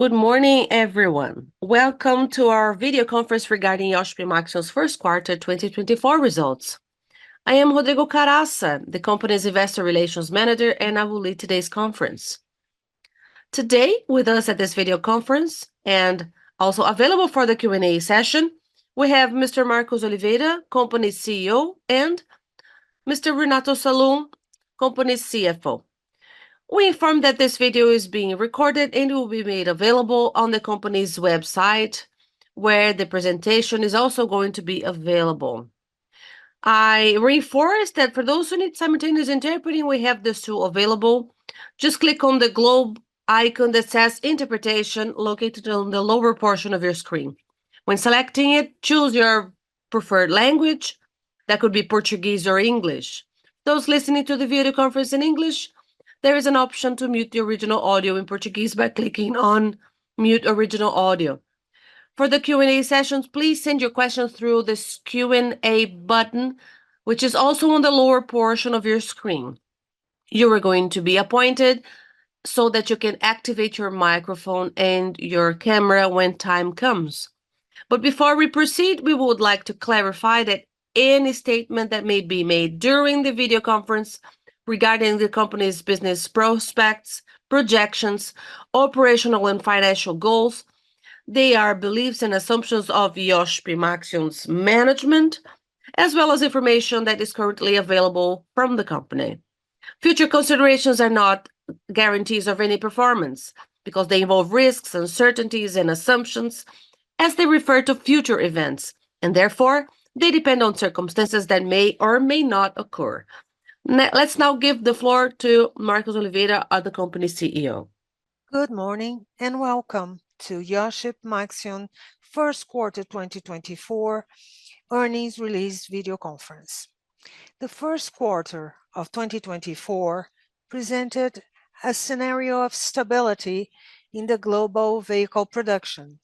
Good morning, everyone. Welcome to our video conference regarding Iochpe-Maxion's first quarter 2024 results. I am Rodrigo Caraça, the company's investor relations manager, and I will lead today's conference. Today, with us at this video conference, and also available for the Q&A session, we have Mr. Marcos Oliveira, company CEO, and Mr. Renato Salum, company CFO. We inform that this video is being recorded and will be made available on the company's website, where the presentation is also going to be available. I reinforce that for those who need simultaneous interpreting, we have those two available. Just click on the globe icon that says "Interpretation," located on the lower portion of your screen. When selecting it, choose your preferred language. That could be Portuguese or English. Those listening to the video conference in English, there is an option to mute the original audio in Portuguese by clicking on "Mute Original Audio." For the Q&A sessions, please send your questions through this Q&A button, which is also on the lower portion of your screen. You are going to be appointed so that you can activate your microphone and your camera when time comes. But before we proceed, we would like to clarify that any statement that may be made during the video conference regarding the company's business prospects, projections, operational and financial goals, they are beliefs and assumptions of Iochpe-Maxion's management, as well as information that is currently available from the company. Future considerations are not guarantees of any performance because they involve risks, uncertainties, and assumptions as they refer to future events, and therefore they depend on circumstances that may or may not occur. Let's now give the floor to Marcos Oliveira, the company CEO. Good morning and welcome to Iochpe-Maxion First Quarter 2024 Earnings Release Video Conference. The first quarter of 2024 presented a scenario of stability in the global vehicle production,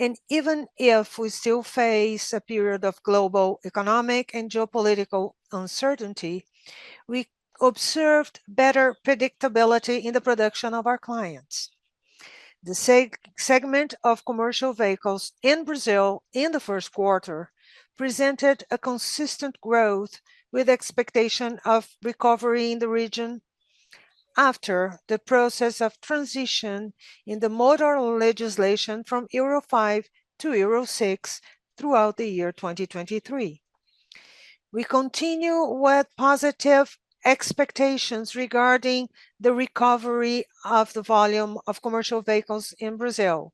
and even if we still face a period of global economic and geopolitical uncertainty, we observed better predictability in the production of our clients. The segment of commercial vehicles in Brazil in the first quarter presented a consistent growth with expectation of recovery in the region after the process of transition in the motor legislation from Euro 5-Euro 6 throughout the year 2023. We continue with positive expectations regarding the recovery of the volume of commercial vehicles in Brazil,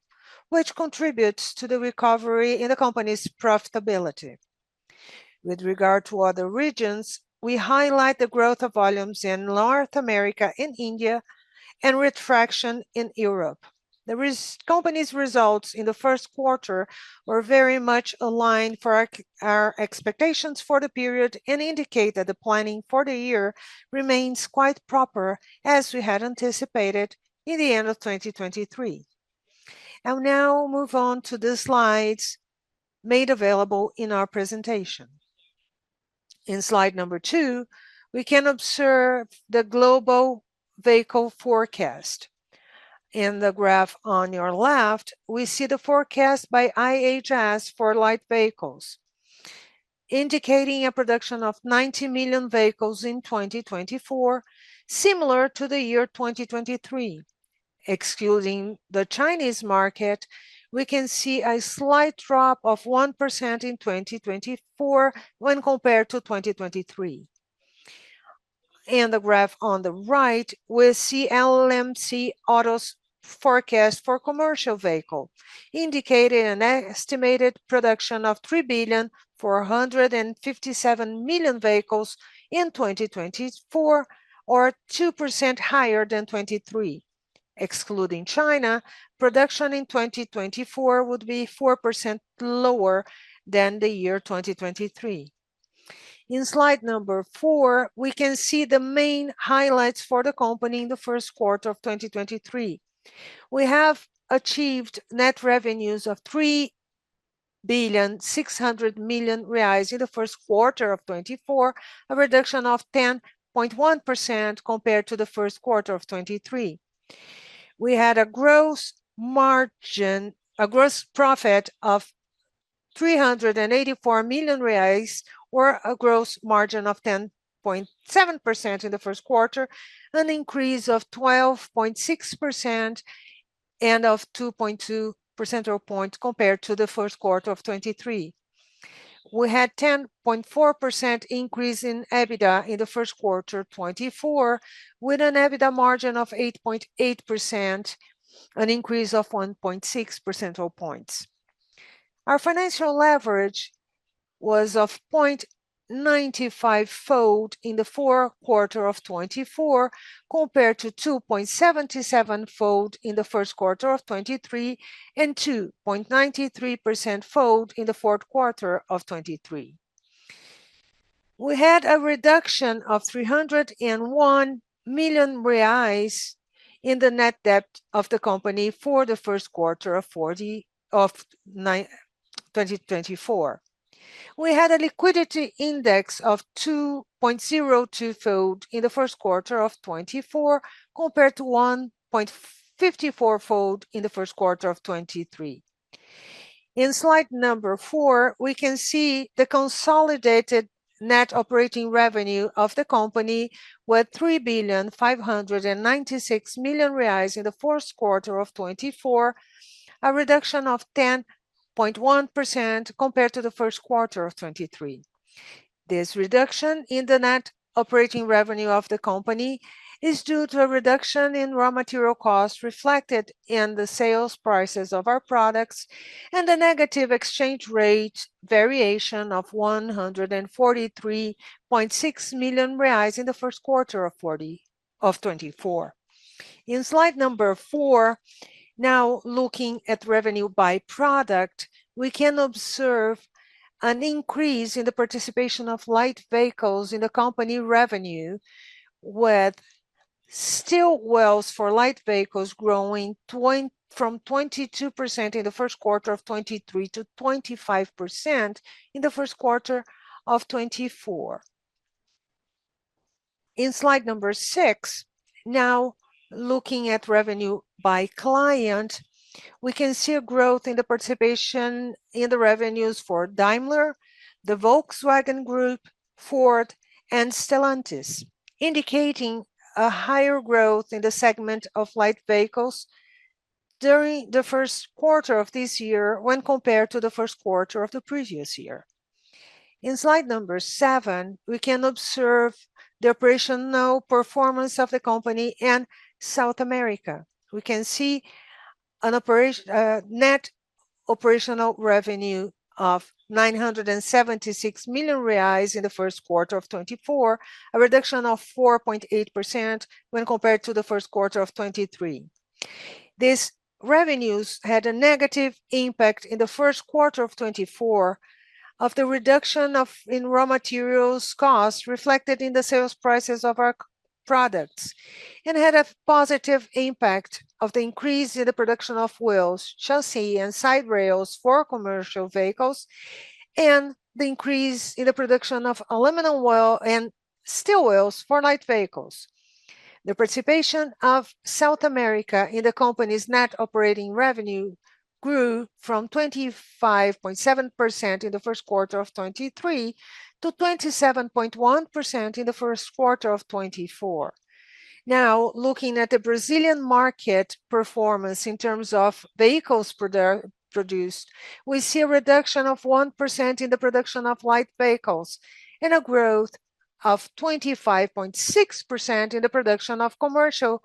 which contributes to the recovery in the company's profitability. With regard to other regions, we highlight the growth of volumes in North America and India and retraction in Europe. The company's results in the first quarter were very much aligned with our expectations for the period and indicate that the planning for the year remains quite proper as we had anticipated in the end of 2023. I will now move on to the slides made available in our presentation. In slide number two, we can observe the global vehicle forecast. In the graph on your left, we see the forecast by IHS for light vehicles, indicating a production of 90 million vehicles in 2024, similar to the year 2023. Excluding the Chinese market, we can see a slight drop of 1% in 2024 when compared to 2023. In the graph on the right, we see LMC Automotive's forecast for commercial vehicles, indicating an estimated production of 3,457,000,000 vehicles in 2024, or 2% higher than 2023. Excluding China, production in 2024 would be 4% lower than the year 2023. In slide number four, we can see the main highlights for the company in the first quarter of 2023. We have achieved net revenues of 3.6 billion in the first quarter of 2024, a reduction of 10.1% compared to the first quarter of 2023. We had a gross profit of 384 million reais, or a gross margin of 10.7% in the first quarter, an increase of 12.6% and of 2.2 percentage points compared to the first quarter of 2023. We had a 10.4% increase in EBITDA in the first quarter of 2024, with an EBITDA margin of 8.8%, an increase of 1.6 percentage points. Our financial leverage was 0.95x in the fourth quarter of 2024 compared to 2.77x in the first quarter of 2023 and 2.93x in the fourth quarter of 2023. We had a reduction of 301,000,000 reais in the net debt of the company for the first quarter of 2024. We had a liquidity index of 2.02-fold in the first quarter of 2024 compared to 1.54-fold in the first quarter of 2023. In slide number four, we can see the consolidated net operating revenue of the company with 3,596,000,000 reais in the fourth quarter of 2024, a reduction of 10.1% compared to the first quarter of 2023. This reduction in the net operating revenue of the company is due to a reduction in raw material costs reflected in the sales prices of our products and a negative exchange rate variation of 143.6 million reais in the first quarter of 2024. In slide number four, now looking at revenue by product, we can observe an increase in the participation of light vehicles in the company revenue, with steel wheels for light vehicles growing from 22% in the first quarter of 2023 to 25% in the first quarter of 2024. In slide number six, now looking at revenue by client, we can see a growth in the participation in the revenues for Daimler, the Volkswagen Group, Ford, and Stellantis, indicating a higher growth in the segment of light vehicles during the first quarter of this year when compared to the first quarter of the previous year. In slide number seven, we can observe the operational performance of the company in South America. We can see net operating revenue of 976,000,000 reais in the first quarter of 2024, a reduction of 4.8% when compared to the first quarter of 2023. These revenues had a negative impact in the first quarter of 2024 of the reduction in raw materials costs reflected in the sales prices of our products and had a positive impact of the increase in the production of wheels, chassis, and side rails for commercial vehicles, and the increase in the production of aluminum steel wheels for light vehicles. The participation of South America in the company's net operating revenue grew from 25.7% in the first quarter of 2023 to 27.1% in the first quarter of 2024. Now, looking at the Brazilian market performance in terms of vehicles produced, we see a reduction of 1% in the production of light vehicles and a growth of 25.6% in the production of commercial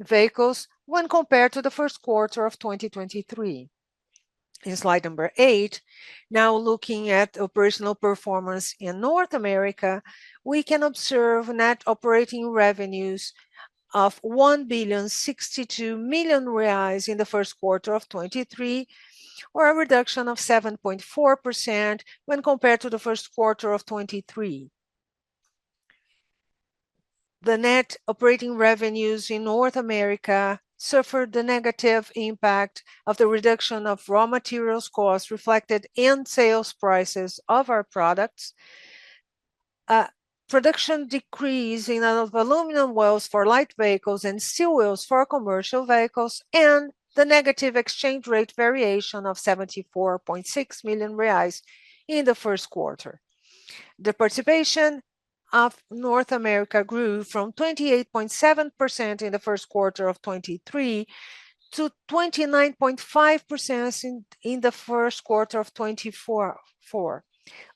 vehicles when compared to the first quarter of 2023. In slide number eight, now looking at operational performance in North America, we can observe net operating revenues of 1,062,000,000 reais in the first quarter of 2024, or a reduction of 7.4% when compared to the first quarter of 2023. The net operating revenues in North America suffered the negative impact of the reduction of raw materials costs reflected in sales prices of our products, a production decrease in aluminum wheels for light vehicles and steel wheels for commercial vehicles, and the negative exchange rate variation of 74.6 million reais in the first quarter. The participation of North America grew from 28.7% in the first quarter of 2023 to 29.5% in the first quarter of 2024.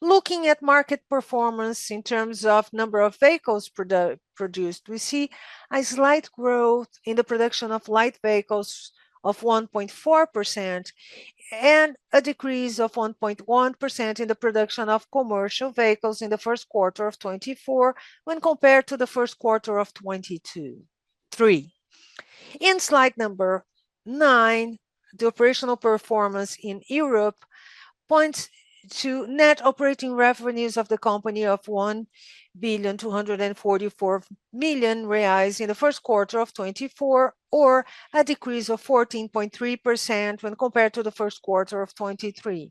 Looking at market performance in terms of number of vehicles produced, we see a slight growth in the production of light vehicles of 1.4% and a decrease of 1.1% in the production of commercial vehicles in the first quarter of 2024 when compared to the first quarter of 2023. In slide number 9, the operational performance in Europe points to net operating revenues of the company of 1,244,000,000 reais in the first quarter of 2024, or a decrease of 14.3% when compared to the first quarter of 2023.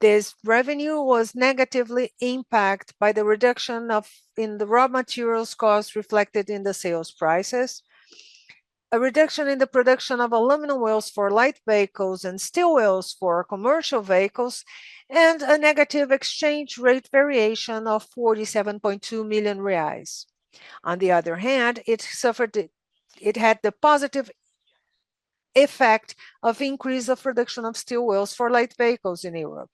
This revenue was negatively impacted by the reduction in the raw materials costs reflected in the sales prices, a reduction in the production of aluminum wheels for light vehicles and steel wheels for commercial vehicles, and a negative exchange rate variation of 47.2 million reais. On the other hand, it had the positive effect of an increase in the production of steel wheels for light vehicles in Europe.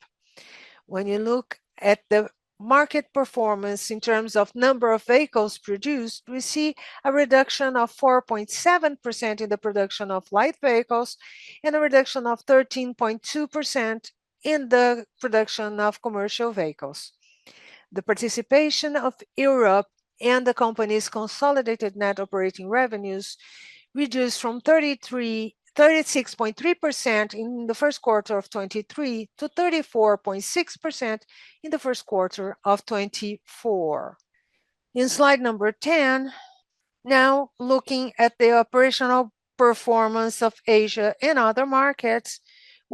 When you look at the market performance in terms of number of vehicles produced, we see a reduction of 4.7% in the production of light vehicles and a reduction of 13.2% in the production of commercial vehicles. The participation of Europe and the company's consolidated net operating revenues reduced from 36.3% in the first quarter of 2023 to 34.6% in the first quarter of 2024. In slide number 10, now looking at the operational performance of Asia and other markets,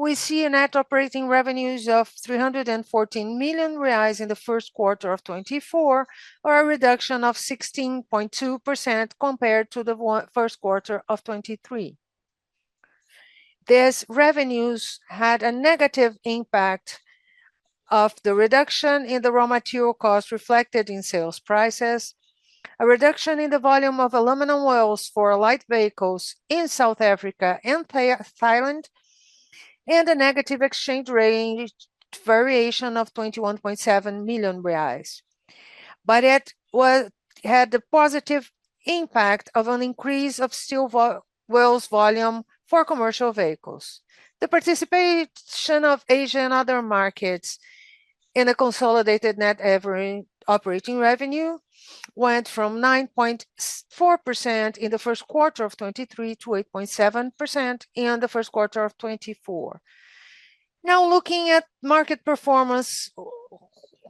we see net operating revenues of 314,000,000 reais in the first quarter of 2024, or a reduction of 16.2% compared to the first quarter of 2023. These revenues had a negative impact of the reduction in the raw material costs reflected in sales prices, a reduction in the volume of aluminum wheels for light vehicles in South Africa and Thailand, and a negative exchange rate variation of 21.7 million reais. But it had the positive impact of an increase in steel wheels volume for commercial vehicles. The participation of Asia and other markets in the consolidated net operating revenue went from 9.4% in the first quarter of 2023 to 8.7% in the first quarter of 2024. Now, looking at market performance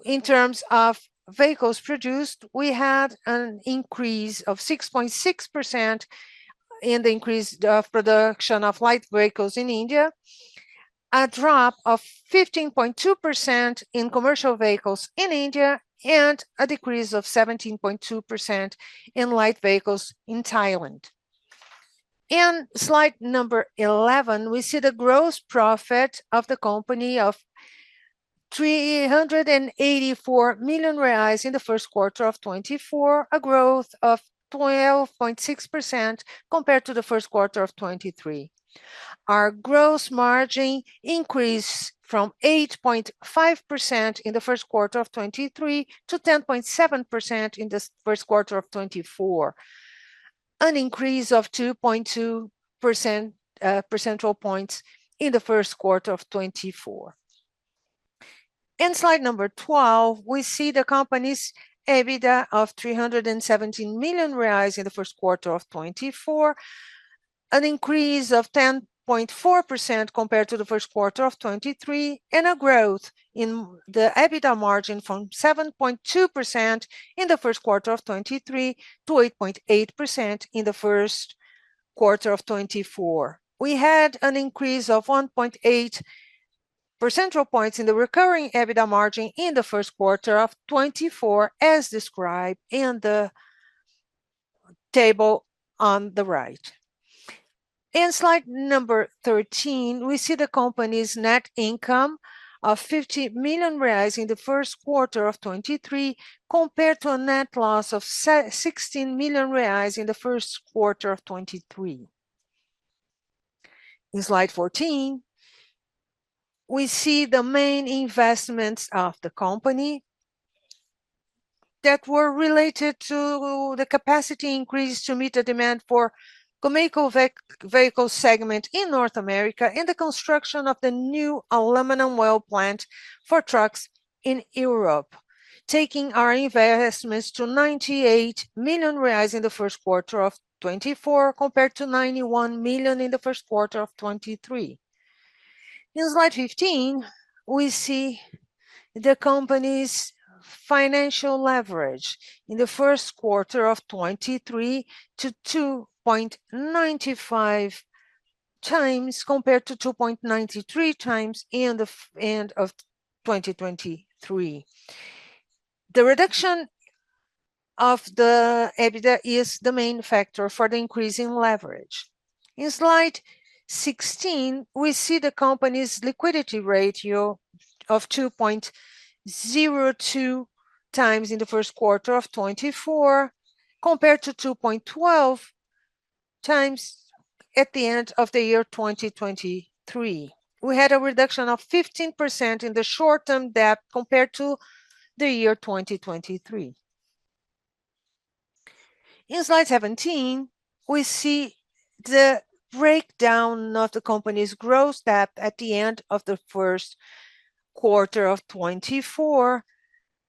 in terms of vehicles produced, we had an increase of 6.6% in the increase of production of light vehicles in India, a drop of 15.2% in commercial vehicles in India, and a decrease of 17.2% in light vehicles in Thailand. In slide number 11, we see the gross profit of the company of 384,000,000 reais in the first quarter of 2024, a growth of 12.6% compared to the first quarter of 2023. Our gross margin increased from 8.5% in the first quarter of 2023 to 10.7% in the first quarter of 2024, an increase of 2.2 percentage points in the first quarter of 2024. In slide number 12, we see the company's EBITDA of 317,000,000 reais in the first quarter of 2024, an increase of 10.4% compared to the first quarter of 2023, and a growth in the EBITDA margin from 7.2% in the first quarter of 2023 to 8.8% in the first quarter of 2024. We had an increase of 1.8 percentage points in the recurring EBITDA margin in the first quarter of 2024, as described in the table on the right. In slide number 13, we see the company's net income of 50 million reais in the first quarter of 2024 compared to a net loss of 16 million reais in the first quarter of 2023. In slide 14, we see the main investments of the company that were related to the capacity increase to meet the demand for the commercial vehicle segment in North America and the construction of the new aluminum wheel plant for trucks in Europe, taking our investments to 98 million reais in the first quarter of 2024 compared to 91 million in the first quarter of 2023. In slide 15, we see the company's financial leverage in the first quarter of 2024 to 2.95x compared to 2.93x at the end of 2023. The reduction of the EBITDA is the main factor for the increase in leverage. In slide 16, we see the company's liquidity ratio of 2.02x in the first quarter of 2024 compared to 2.12x at the end of the year 2023. We had a reduction of 15% in the short-term debt compared to the year 2023. In slide 17, we see the breakdown of the company's gross debt at the end of the first quarter of 2024,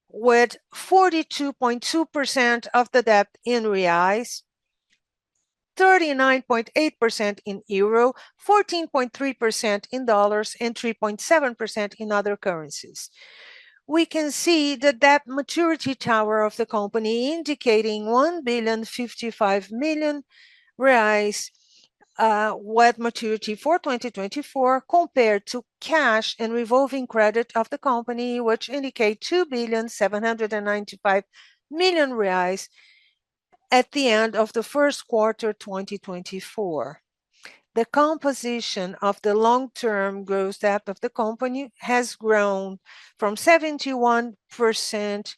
with 42.2% of the debt in reais, 39.8% in euros, 14.3% in dollars, and 3.7% in other currencies. We can see the debt maturity tower of the company indicating 1,055,000,000 with maturity for 2024 compared to cash and revolving credit of the company, which indicates 2,795,000,000 reais at the end of the first quarter of 2024. The composition of the long-term gross debt of the company has grown from 71%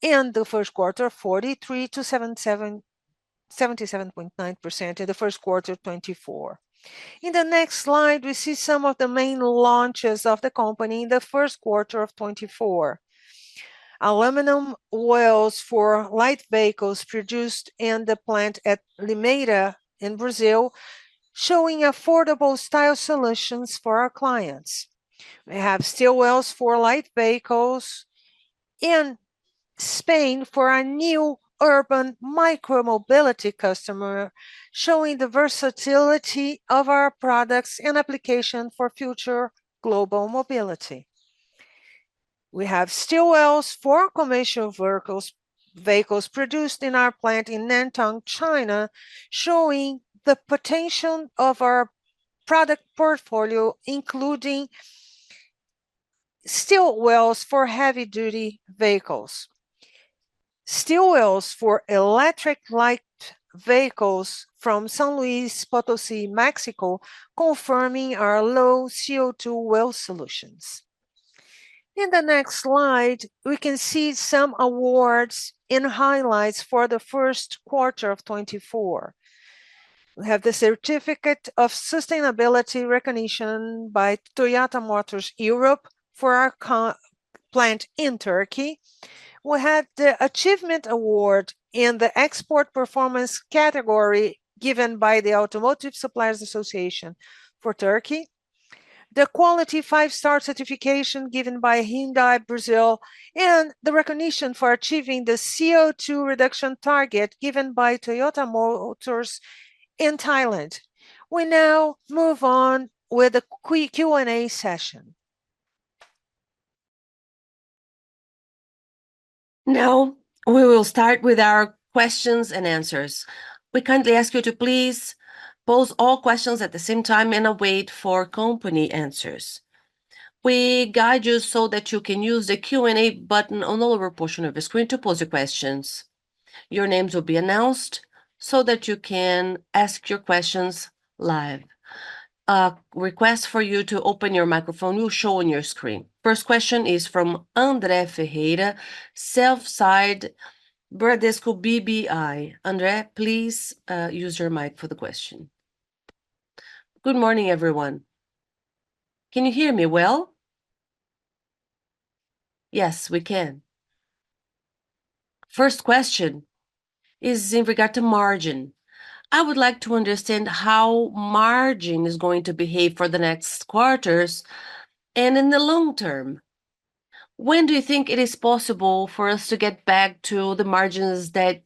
in the first quarter of 2023 to 77.9% in the first quarter of 2024. In the next slide, we see some of the main launches of the company in the first quarter of 2024: aluminum wheels for light vehicles produced in the plant at Limeira, in Brazil, showing affordable style solutions for our clients. We have steel wheels for light vehicles in Spain for our new urban micromobility customer, showing the versatility of our products and applications for future global mobility. We have steel wheels for commercial vehicles produced in our plant in Nantong, China, showing the potential of our product portfolio, including steel wheels for heavy-duty vehicles. Steel wheels for electric light vehicles from San Luis Potosí, Mexico, confirming our low CO2 wheel solutions. In the next slide, we can see some awards and highlights for the first quarter of 2024. We have the Certificate of Sustainability Recognition by Toyota Motor Europe for our plant in Turkey. We had the Achievement Award in the Export Performance category given by the Automotive Suppliers Association for Turkey, the Quality Five Star Certification given by Hyundai, Brazil, and the recognition for achieving the CO2 reduction target given by Toyota Motors in Thailand. We now move on with the Q&A session. Now, we will start with our questions and answers. We kindly ask you to please pose all questions at the same time and await for company answers. We guide you so that you can use the Q&A button on the lower portion of the screen to pose your questions. Your names will be announced so that you can ask your questions live. A request for you to open your microphone will show on your screen. First question is from André Ferreira, Bradesco BBI. André, please use your mic for the question. Good morning, everyone. Can you hear me well? Yes, we can. First question is in regard to margin. I would like to understand how margin is going to behave for the next quarters and in the long term. When do you think it is possible for us to get back to the margins that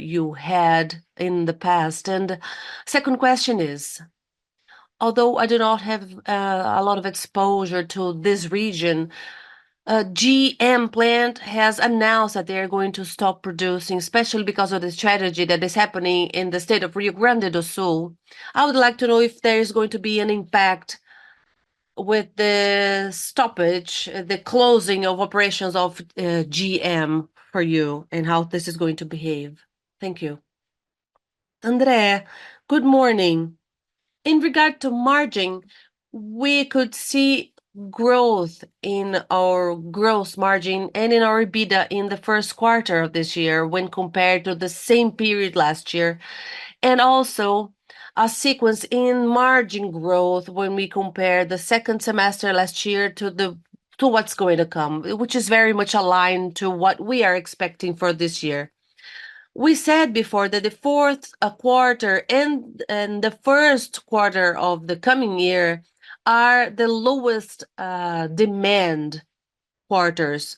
you had in the past? And the second question is, although I do not have a lot of exposure to this region, GM Plant has announced that they are going to stop producing, especially because of the strategy that is happening in the state of Rio Grande do Sul. I would like to know if there is going to be an impact with the stoppage, the closing of operations of GM for you, and how this is going to behave. Thank you. André, good morning. In regard to margin, we could see growth in our gross margin and in our EBITDA in the first quarter of this year when compared to the same period last year, and also a sequence in margin growth when we compare the second semester last year to what's going to come, which is very much aligned to what we are expecting for this year. We said before that the fourth quarter and the first quarter of the coming year are the lowest demand quarters.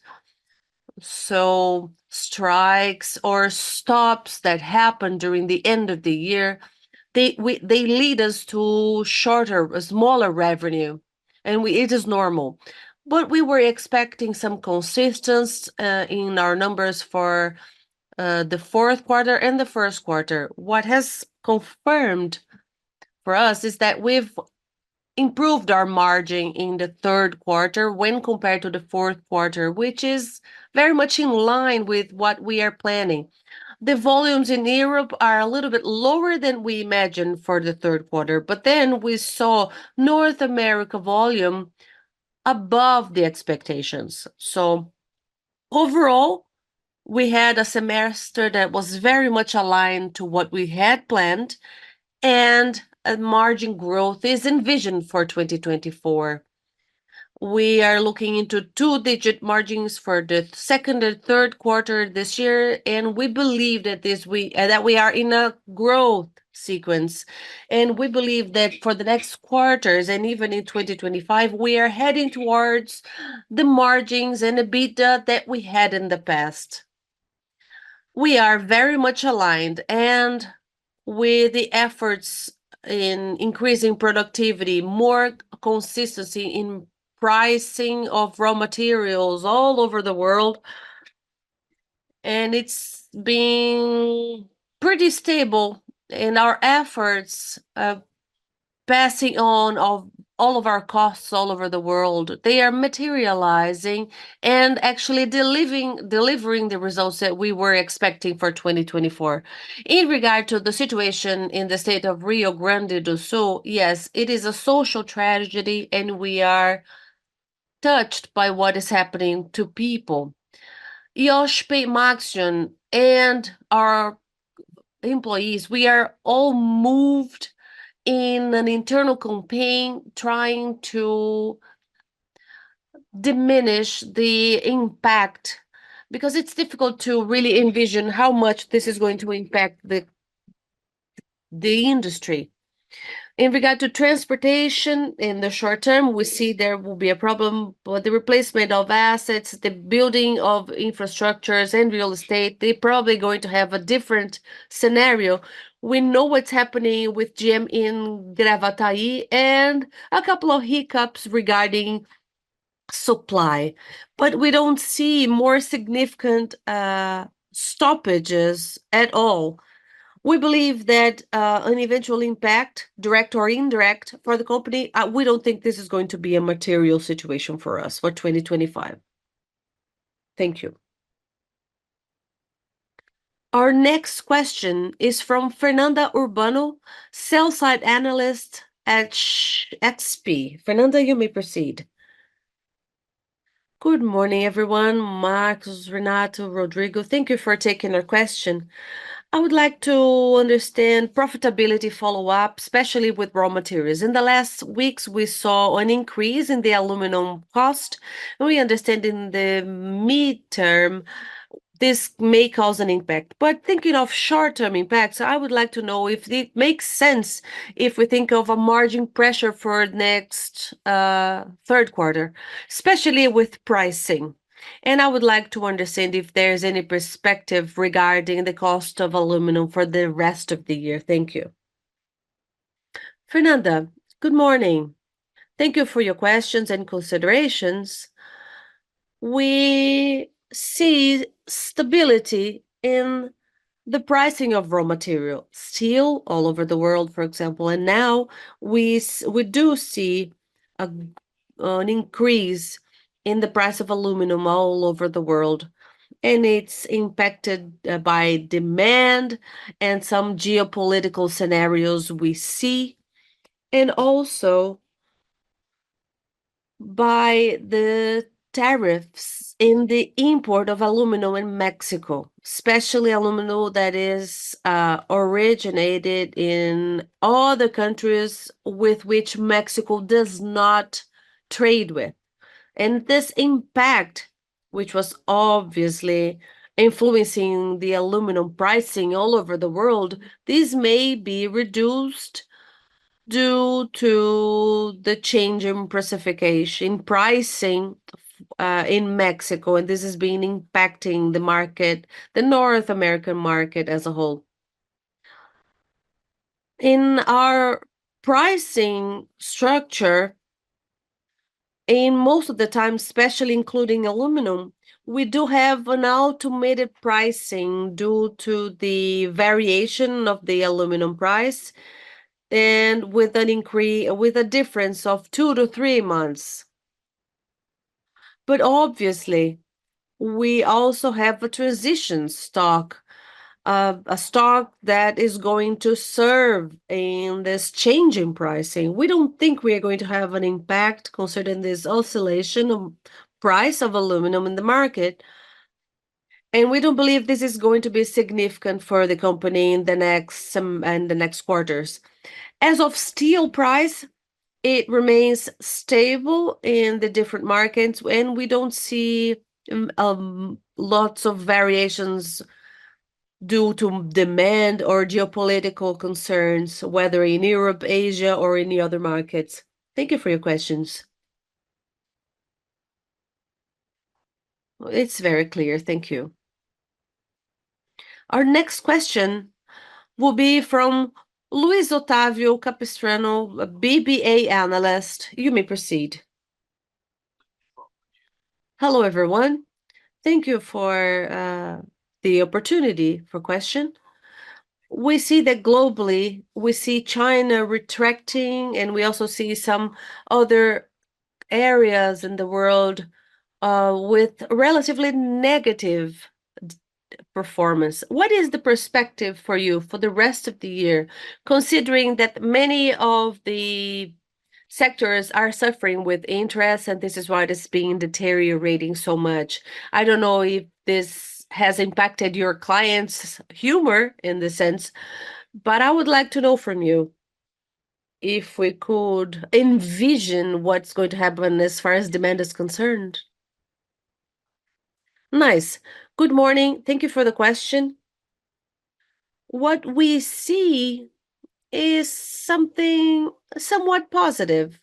So strikes or stops that happen during the end of the year, they lead us to shorter, smaller revenue, and it is normal. But we were expecting some consistency in our numbers for the fourth quarter and the first quarter. What has confirmed for us is that we've improved our margin in the third quarter when compared to the fourth quarter, which is very much in line with what we are planning. The volumes in Europe are a little bit lower than we imagined for the third quarter, but then we saw North America volume above the expectations. Overall, we had a semester that was very much aligned to what we had planned, and margin growth is envisioned for 2024. We are looking into two-digit margins for the second and third quarter this year, and we believe that we are in a growth sequence. We believe that for the next quarters and even in 2025, we are heading towards the margins and EBITDA that we had in the past. We are very much aligned, and with the efforts in increasing productivity, more consistency in pricing of raw materials all over the world, and it's been pretty stable. Our efforts passing on of all of our costs all over the world, they are materializing and actually delivering the results that we were expecting for 2024. In regard to the situation in the state of Rio Grande do Sul, yes, it is a social tragedy, and we are touched by what is happening to people. Iochpe-Maxion and our employees, we are all moved in an internal campaign trying to diminish the impact because it's difficult to really envision how much this is going to impact the industry. In regard to transportation, in the short term, we see there will be a problem, but the replacement of assets, the building of infrastructures, and real estate, they're probably going to have a different scenario. We know what's happening with GM in Gravataí and a couple of hiccups regarding supply, but we don't see more significant stoppages at all. We believe that an eventual impact, direct or indirect, for the company, we don't think this is going to be a material situation for us for 2025. Thank you. Our next question is from Fernanda Urbano, sell-side analyst at XP. Fernanda, you may proceed. Good morning, everyone. Marcos, Renato, Rodrigo, thank you for taking our question. I would like to understand profitability follow-up, especially with raw materials. In the last weeks, we saw an increase in the aluminum cost, and we understand in the mid-term, this may cause an impact. But thinking of short-term impacts, I would like to know if it makes sense if we think of a margin pressure for the next third quarter, especially with pricing. And I would like to understand if there is any perspective regarding the cost of aluminum for the rest of the year. Thank you. Fernanda, good morning. Thank you for your questions and considerations. We see stability in the pricing of raw material, steel all over the world, for example. And now we do see an increase in the price of aluminum all over the world, and it's impacted by demand and some geopolitical scenarios we see, and also by the tariffs in the import of aluminum in Mexico, especially aluminum that is originated in other countries with which Mexico does not trade with. This impact, which was obviously influencing the aluminum pricing all over the world, this may be reduced due to the change in pricing in Mexico, and this has been impacting the market, the North American market as a whole. In our pricing structure, in most of the time, especially including aluminum, we do have an automated pricing due to the variation of the aluminum price and with a difference of 2-3 months. But obviously, we also have a transition stock, a stock that is going to serve in this change in pricing. We don't think we are going to have an impact considering this oscillation of price of aluminum in the market, and we don't believe this is going to be significant for the company in the next quarters. As for steel price, it remains stable in the different markets, and we don't see lots of variations due to demand or geopolitical concerns, whether in Europe, Asia, or any other markets. Thank you for your questions. It's very clear. Thank you. Our next question will be from Luiz Otávio Capistrano, BBA analyst. You may proceed. Hello, everyone. Thank you for the opportunity for a question. We see that globally, we see China retracting, and we also see some other areas in the world with relatively negative performance. What is the perspective for you for the rest of the year, considering that many of the sectors are suffering with interest, and this is why it is being deteriorating so much? I don't know if this has impacted your clients' mood in the sense, but I would like to know from you if we could envision what's going to happen as far as demand is concerned. Nice. Good morning. Thank you for the question. What we see is something somewhat positive,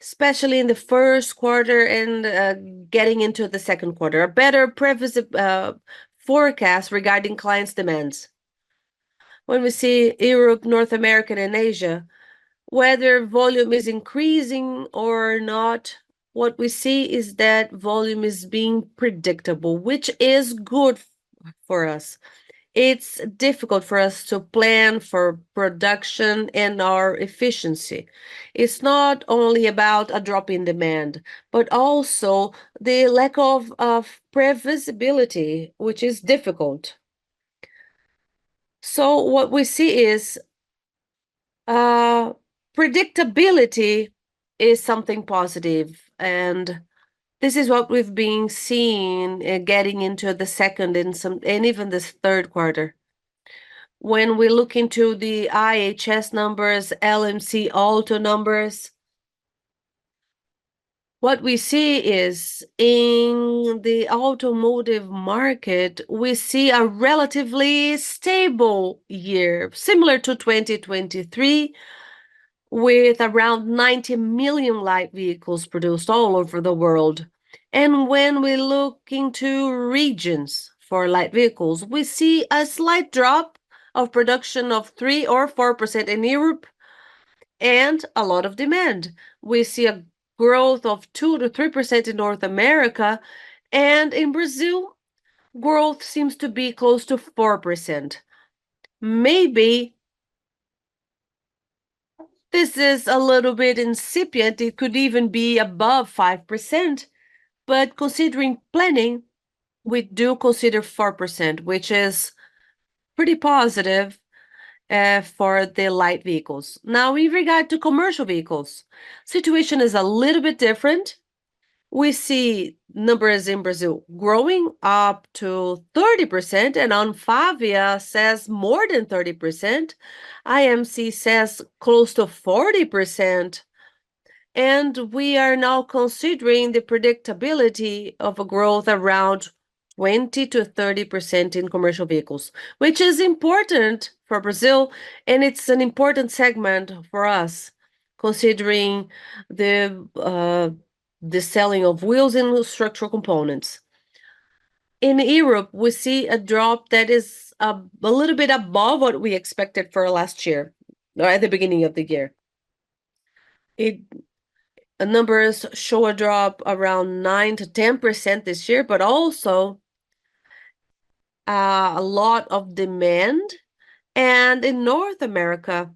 especially in the first quarter and getting into the second quarter, a better forecast regarding clients' demands. When we see Europe, North America, and Asia, whether volume is increasing or not, what we see is that volume is being predictable, which is good for us. It's difficult for us to plan for production and our efficiency. It's not only about a drop in demand, but also the lack of predictability, which is difficult. So what we see is predictability is something positive, and this is what we've been seeing getting into the second and even the third quarter. When we look into the IHS numbers, LMC Auto numbers, what we see is in the automotive market, we see a relatively stable year, similar to 2023, with around 90 million light vehicles produced all over the world. When we look into regions for light vehicles, we see a slight drop of production of 3% or 4% in Europe and a lot of demand. We see a growth of 2%-3% in North America, and in Brazil, growth seems to be close to 4%. Maybe this is a little bit incipient. It could even be above 5%, but considering planning, we do consider 4%, which is pretty positive for the light vehicles. Now, in regard to commercial vehicles, the situation is a little bit different. We see numbers in Brazil growing up to 30%, and ANFAVEA says more than 30%. LMC says close to 40%. We are now considering the predictability of a growth around 20%-30% in commercial vehicles, which is important for Brazil, and it's an important segment for us considering the selling of wheels and structural components. In Europe, we see a drop that is a little bit above what we expected for last year or at the beginning of the year. Numbers show a drop around 9%-10% this year, but also a lot of demand. And in North America,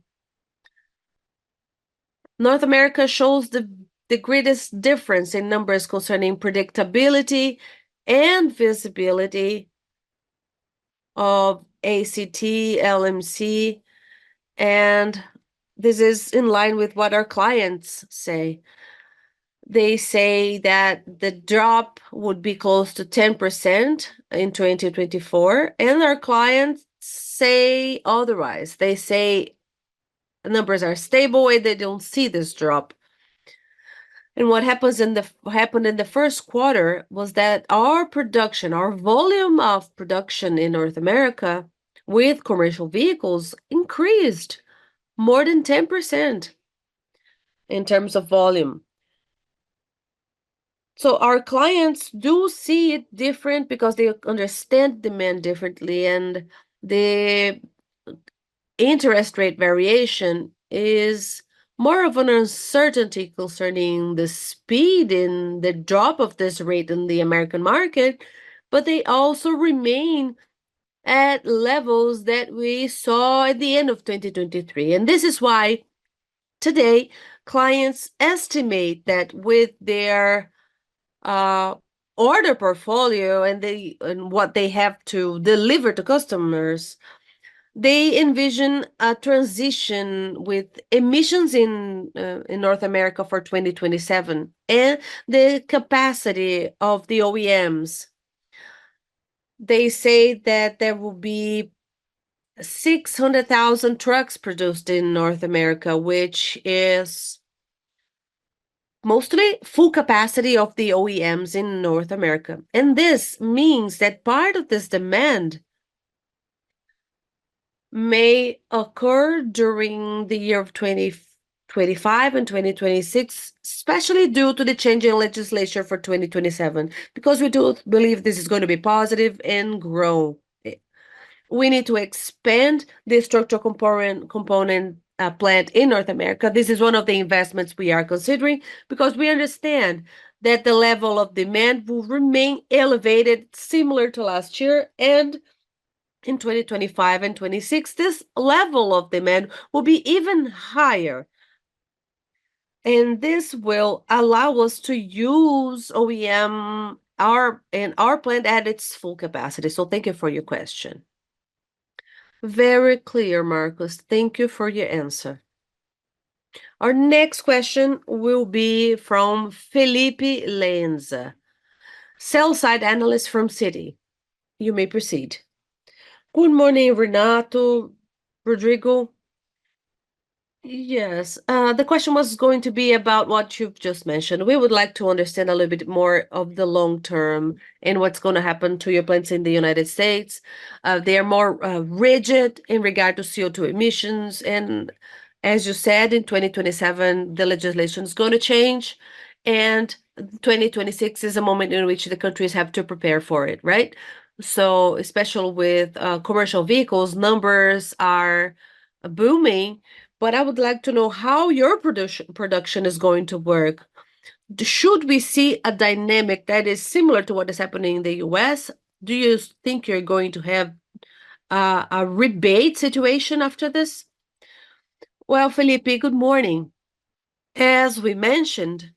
North America shows the greatest difference in numbers concerning predictability and visibility of ACT, LMC. And this is in line with what our clients say. They say that the drop would be close to 10% in 2024, and our clients say otherwise. They say numbers are stable, and they don't see this drop. What happened in the first quarter was that our production, our volume of production in North America with commercial vehicles increased more than 10% in terms of volume. Our clients do see it different because they understand demand differently, and the interest rate variation is more of an uncertainty concerning the speed in the drop of this rate in the American market, but they also remain at levels that we saw at the end of 2023. This is why today, clients estimate that with their order portfolio and what they have to deliver to customers, they envision a transition with emissions in North America for 2027 and the capacity of the OEMs. They say that there will be 600,000 trucks produced in North America, which is mostly full capacity of the OEMs in North America. And this means that part of this demand may occur during the year of 2025 and 2026, especially due to the change in legislature for 2027 because we do believe this is going to be positive and grow. We need to expand the structural component plant in North America. This is one of the investments we are considering because we understand that the level of demand will remain elevated, similar to last year. And in 2025 and 2026, this level of demand will be even higher. And this will allow us to use OEM and our plant at its full capacity. So thank you for your question. Very clear, Marcos. Thank you for your answer. Our next question will be from Felipe Lenza, sell-side analyst from Citi. You may proceed. Good morning, Renato, Rodrigo. Yes. The question was going to be about what you've just mentioned. We would like to understand a little bit more of the long term and what's going to happen to your plants in the United States. They are more rigid in regard to CO2 emissions. And as you said, in 2027, the legislation is going to change, and 2026 is a moment in which the countries have to prepare for it, right? So especially with commercial vehicles, numbers are booming. But I would like to know how your production is going to work. Should we see a dynamic that is similar to what is happening in the US? Do you think you're going to have a rebate situation after this? Well, Felipe, good morning. As we mentioned,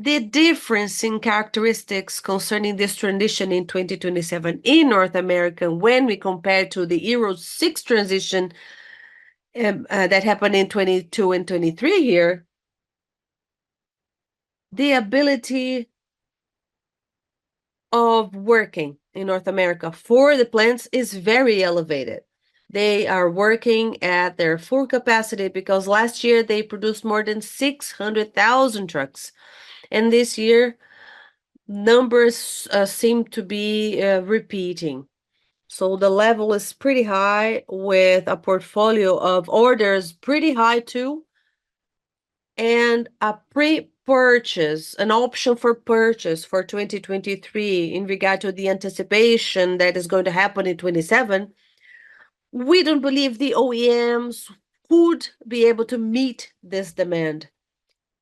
the difference in characteristics concerning this transition in 2027 in North America, when we compare to the Euro 6 transition that happened in 2022 and 2023 here, the ability of working in North America for the plants is very elevated. They are working at their full capacity because last year, they produced more than 600,000 trucks. And this year, numbers seem to be repeating. So the level is pretty high with a portfolio of orders pretty high too. And an option for purchase for 2023 in regard to the anticipation that is going to happen in 2027, we don't believe the OEMs would be able to meet this demand.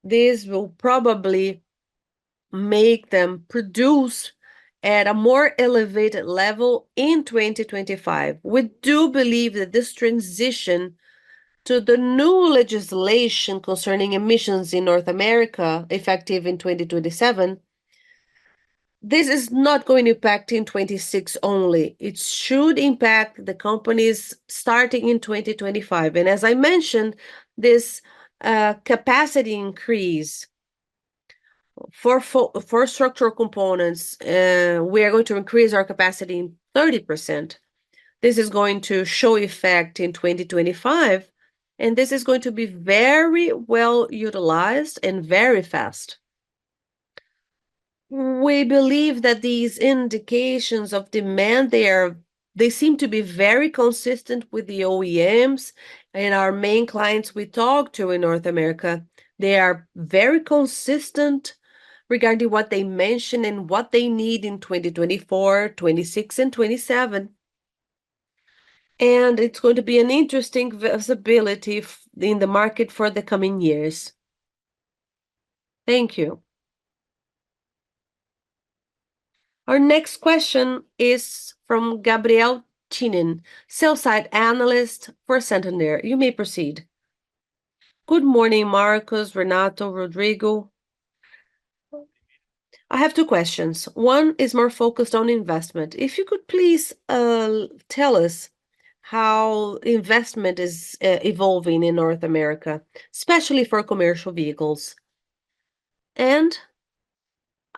This will probably make them produce at a more elevated level in 2025. We do believe that this transition to the new legislation concerning emissions in North America, effective in 2027, this is not going to impact in 2026 only. It should impact the companies starting in 2025. As I mentioned, this capacity increase for structural components, we are going to increase our capacity in 30%. This is going to show effect in 2025, and this is going to be very well utilized and very fast. We believe that these indications of demand, they seem to be very consistent with the OEMs. Our main clients we talk to in North America, they are very consistent regarding what they mention and what they need in 2024, 2026, and 2027. It's going to be an interesting visibility in the market for the coming years. Thank you. Our next question is from Gabriel Tinem, sell-side analyst for Santander. You may proceed. Good morning, Marcos, Renato, Rodrigo. I have two questions. One is more focused on investment. If you could please tell us how investment is evolving in North America, especially for commercial vehicles. And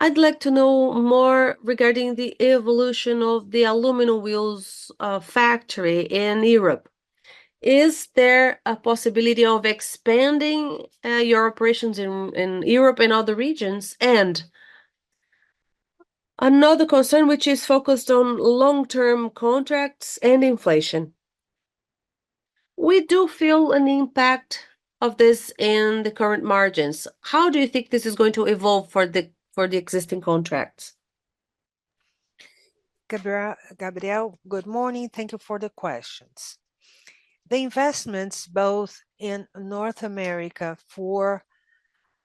I'd like to know more regarding the evolution of the aluminum wheels factory in Europe. Is there a possibility of expanding your operations in Europe and other regions? And another concern, which is focused on long-term contracts and inflation. We do feel an impact of this in the current margins. How do you think this is going to evolve for the existing contracts? Gabriel, good morning. Thank you for the questions. The investments both in North America for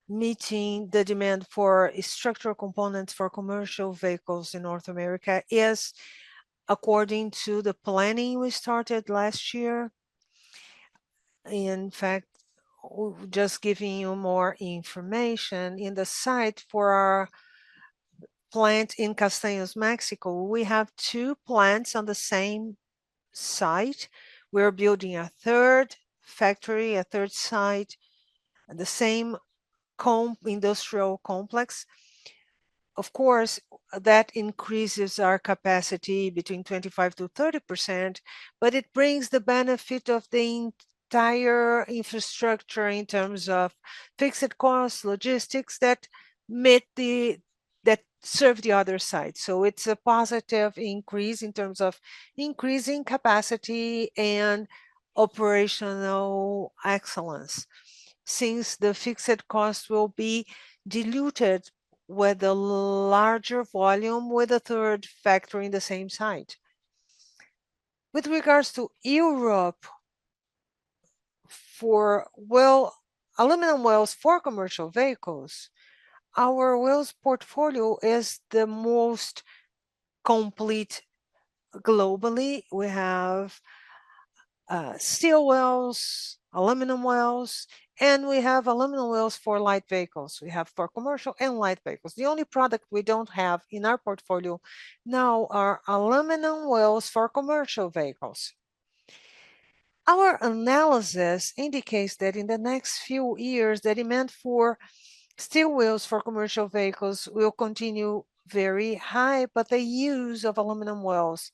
meeting the demand for structural components for commercial vehicles in North America is according to the planning we started last year. In fact, just giving you more information, in the site for our plant in Castaños, Mexico, we have two plants on the same site. We're building a third factory, a third site, the same industrial complex. Of course, that increases our capacity between 25%-30%, but it brings the benefit of the entire infrastructure in terms of fixed cost logistics that serve the other side. So it's a positive increase in terms of increasing capacity and operational excellence since the fixed cost will be diluted with a larger volume with a third factory in the same site. With regards to Europe, well, aluminum wheels for commercial vehicles, our wheels portfolio is the most complete globally. We have steel wheels, aluminum wheels, and we have aluminum wheels for light vehicles. We have for commercial and light vehicles. The only product we don't have in our portfolio now are aluminum wheels for commercial vehicles. Our analysis indicates that in the next few years, the demand for steel wheels for commercial vehicles will continue very high, but the use of aluminum wheels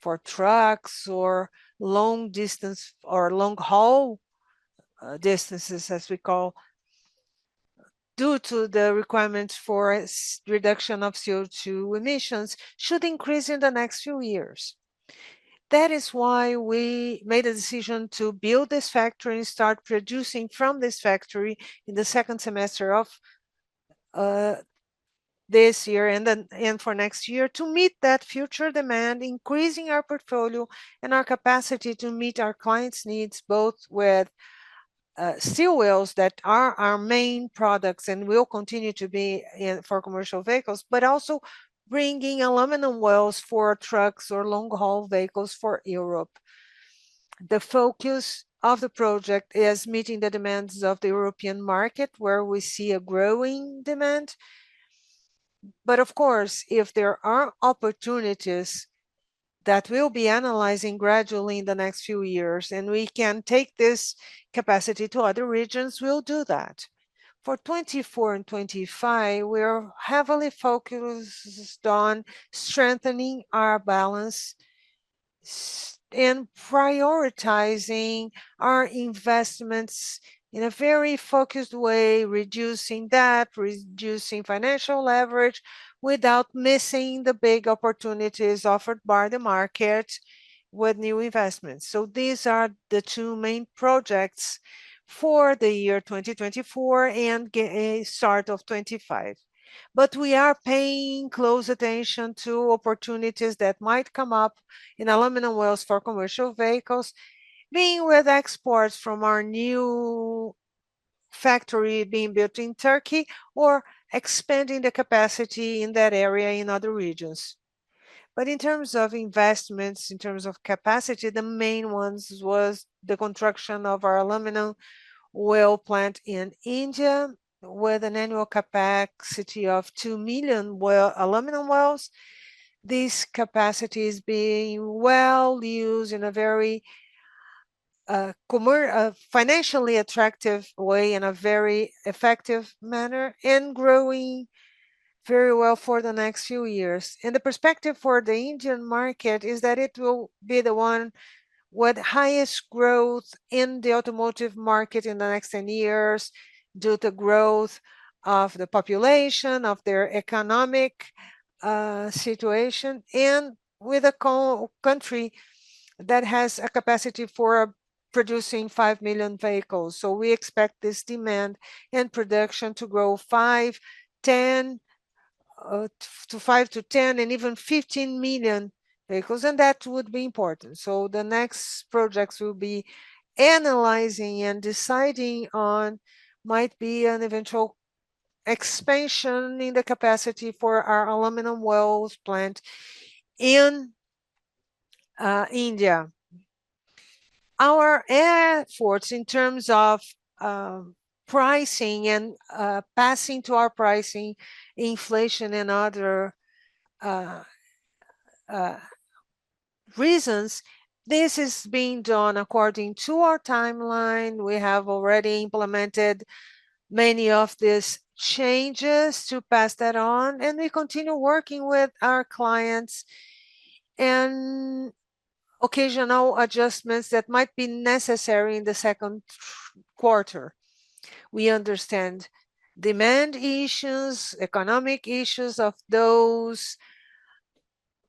for trucks or long haul distances, as we call, due to the requirements for reduction of CO2 emissions should increase in the next few years. That is why we made a decision to build this factory and start producing from this factory in the second semester of this year and for next year to meet that future demand, increasing our portfolio and our capacity to meet our clients' needs both with steel wheels that are our main products and will continue to be for commercial vehicles, but also bringing aluminum wheels for trucks or long haul vehicles for Europe. The focus of the project is meeting the demands of the European market where we see a growing demand. But of course, if there are opportunities that we'll be analyzing gradually in the next few years and we can take this capacity to other regions, we'll do that. For 2024 and 2025, we're heavily focused on strengthening our balance and prioritizing our investments in a very focused way, reducing debt, reducing financial leverage without missing the big opportunities offered by the market with new investments. So these are the two main projects for the year 2024 and start of 2025. But we are paying close attention to opportunities that might come up in aluminum wheels for commercial vehicles, being with exports from our new factory being built in Turkey or expanding the capacity in that area in other regions. But in terms of investments, in terms of capacity, the main ones was the construction of our aluminum wheel plant in India with an annual capacity of 2 million aluminum wheels. This capacity is being well used in a very financially attractive way, in a very effective manner, and growing very well for the next few years. And the perspective for the Indian market is that it will be the one with highest growth in the automotive market in the next 10 years due to growth of the population, of their economic situation, and with a country that has a capacity for producing 5 million vehicles. So we expect this demand and production to grow 5-10 and even 15 million vehicles. And that would be important. So the next projects we'll be analyzing and deciding on might be an eventual expansion in the capacity for our aluminum wheels plant in India. Our efforts in terms of pricing and passing to our pricing, inflation, and other reasons, this is being done according to our timeline. We have already implemented many of these changes to pass that on. And we continue working with our clients and occasional adjustments that might be necessary in the second quarter. We understand demand issues, economic issues of those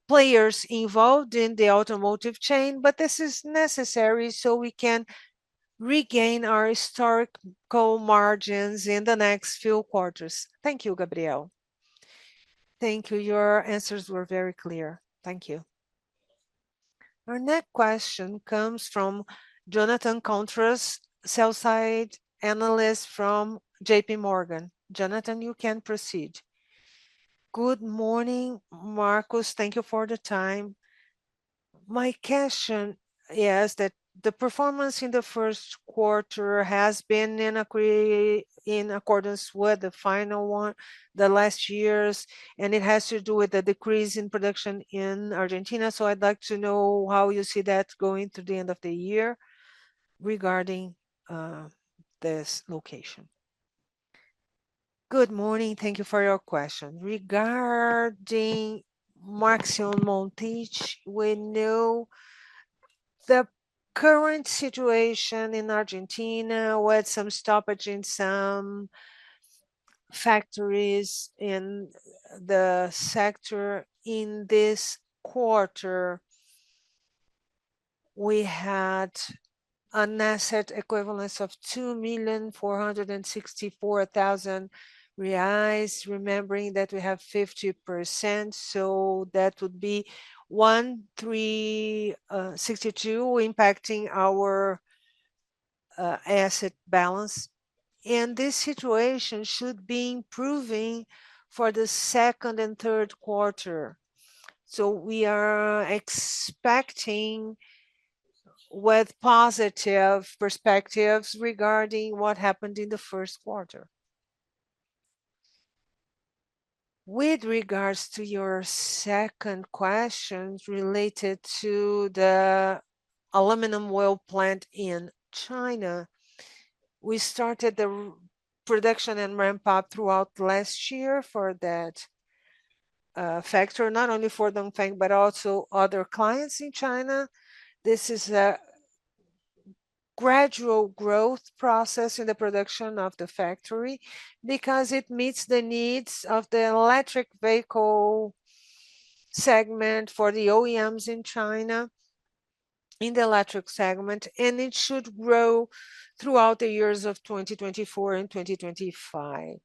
players involved in the automotive chain, but this is necessary so we can regain our historical margins in the next few quarters. Thank you, Gabriel. Thank you. Your answers were very clear. Thank you. Our next question comes from Jonathan Contreras, sell-side analyst from JP Morgan. Jonathan, you can proceed. Good morning, Marcos. Thank you for the time. My question is that the performance in the first quarter has been in accordance with the final one, the last years, and it has to do with the decrease in production in Argentina. So I'd like to know how you see that going through the end of the year regarding this location. Good morning. Thank you for your question. Regarding Maxion Montich, we know the current situation in Argentina with some stoppage in some factories in the sector. In this quarter, we had an asset equivalent of 2,464,000 reais, remembering that we have 50%. So that would be 1,362 impacting our asset balance. And this situation should be improving for the second and third quarter. So we are expecting with positive perspectives regarding what happened in the first quarter. With regards to your second question related to the aluminum wheel plant in China, we started the production and ramp-up throughout last year for that factory, not only for Dongfeng but also other clients in China. This is a gradual growth process in the production of the factory because it meets the needs of the electric vehicle segment for the OEMs in China in the electric segment. It should grow throughout the years of 2024 and 2025.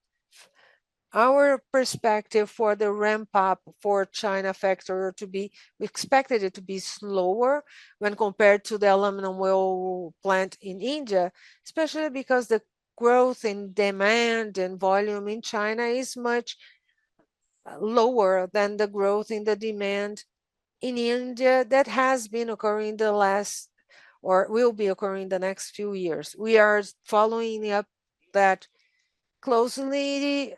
Our perspective for the ramp-up for China factory to be we expected it to be slower when compared to the aluminum wheel plant in India, especially because the growth in demand and volume in China is much lower than the growth in the demand in India that has been occurring in the last or will be occurring in the next few years. We are following up that closely,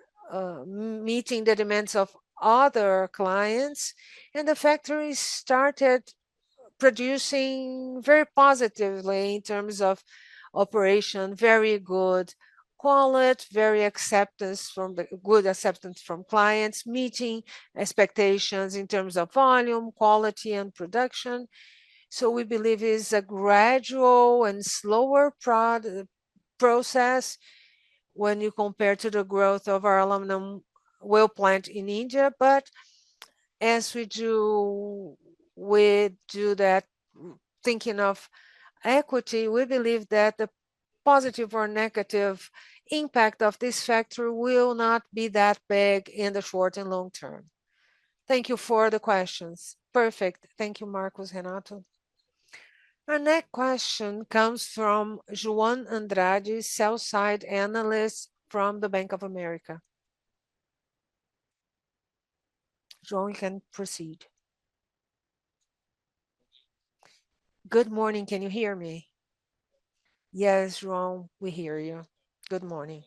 meeting the demands of other clients. The factory started producing very positively in terms of operation, very good quality, very good acceptance from clients, meeting expectations in terms of volume, quality, and production. We believe it is a gradual and slower process when you compare to the growth of our aluminum wheel plant in India. As we do that thinking of equity, we believe that the positive or negative impact of this factory will not be that big in the short and long term. Thank you for the questions. Perfect. Thank you, Marcos, Renato. Our next question comes from João Andrade, sell-side analyst from the Bank of America. João, you can proceed. Good morning. Can you hear me? Yes, João, we hear you. Good morning.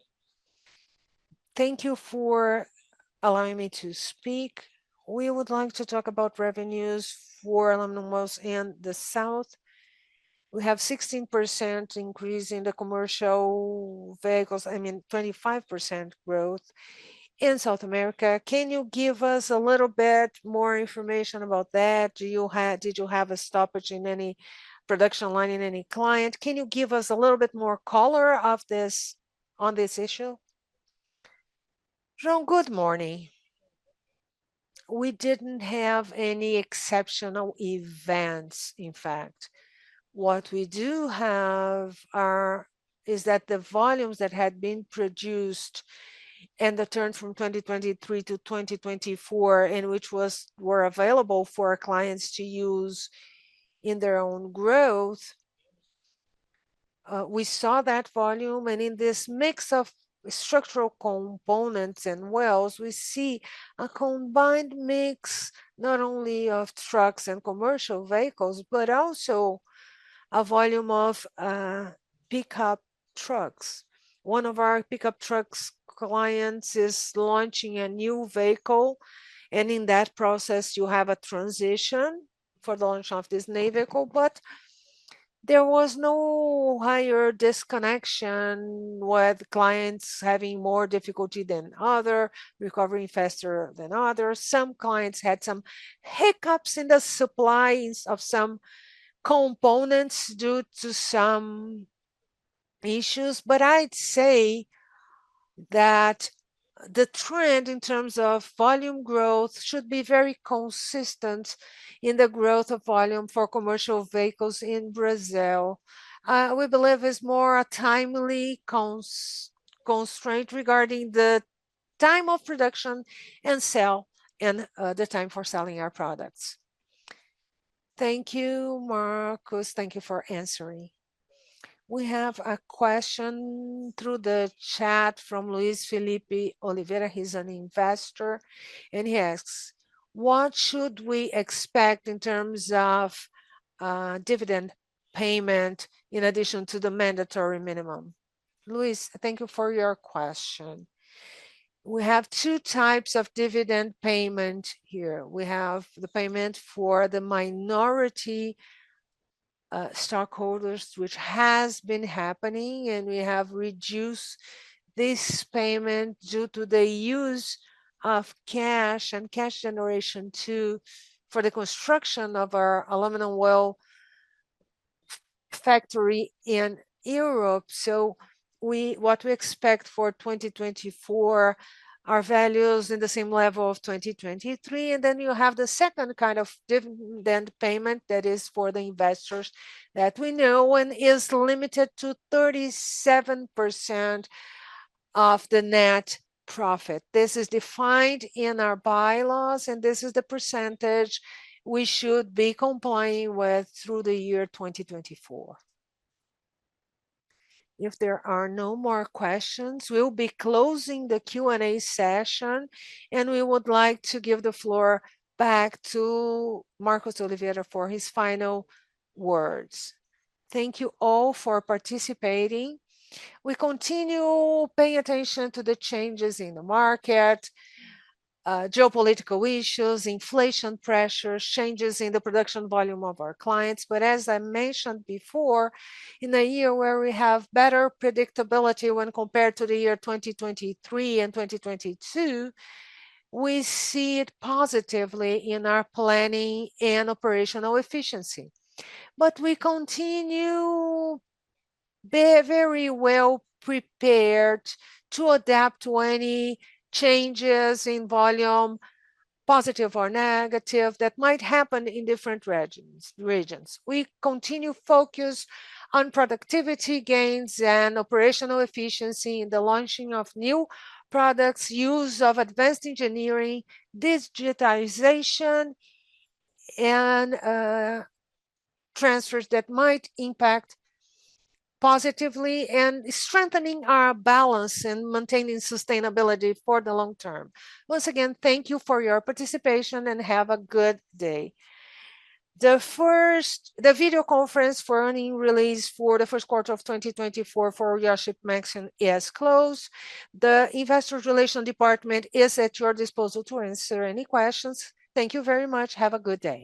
Thank you for allowing me to speak. We would like to talk about revenues for aluminum wheels in the South. We have 16% increase in the commercial vehicles, I mean, 25% growth in South America. Can you give us a little bit more information about that? Did you have a stoppage in any production line in any client? Can you give us a little bit more color on this issue? João, good morning. We didn't have any exceptional events, in fact. What we do have is that the volumes that had been produced and the turn from 2023-2024, which were available for our clients to use in their own growth, we saw that volume. And in this mix of structural components and wheels, we see a combined mix not only of trucks and commercial vehicles but also a volume of pickup trucks. One of our pickup trucks clients is launching a new vehicle. In that process, you have a transition for the launch of this new vehicle. There was no higher disconnection with clients having more difficulty than others, recovering faster than others. Some clients had some hiccups in the supply of some components due to some issues. I'd say that the trend in terms of volume growth should be very consistent in the growth of volume for commercial vehicles in Brazil. We believe it's more a timely constraint regarding the time of production and sale and the time for selling our products. Thank you, Marcos. Thank you for answering. We have a question through the chat from Luis Felipe Oliveira. He's an investor. He asks, what should we expect in terms of dividend payment in addition to the mandatory minimum? Luis, thank you for your question. We have two types of dividend payment here. We have the payment for the minority stockholders, which has been happening. We have reduced this payment due to the use of cash and cash generation too for the construction of our aluminum wheel factory in Europe. So what we expect for 2024, our values in the same level of 2023. Then you have the second kind of dividend payment that is for the investors that we know and is limited to 37% of the net profit. This is defined in our bylaws. This is the percentage we should be complying with through the year 2024. If there are no more questions, we'll be closing the Q&A session. We would like to give the floor back to Marcos Oliveira for his final words. Thank you all for participating. We continue paying attention to the changes in the market, geopolitical issues, inflation pressures, changes in the production volume of our clients. But as I mentioned before, in a year where we have better predictability when compared to the year 2023 and 2022, we see it positively in our planning and operational efficiency. But we continue to be very well prepared to adapt to any changes in volume, positive or negative, that might happen in different regions. We continue to focus on productivity gains and operational efficiency in the launching of new products, use of advanced engineering, digitization, and transfers that might impact positively, and strengthening our balance and maintaining sustainability for the long term. Once again, thank you for your participation. And have a good day. The video conference for earnings release for the first quarter of 2024 for Iochpe-Maxion is closed. The investors' relations department is at your disposal to answer any questions. Thank you very much. Have a good day.